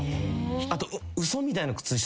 あと。